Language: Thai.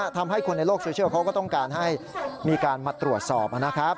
ทำให้คนในโลกโซเชียลเขาก็ต้องการให้มีการมาตรวจสอบนะครับ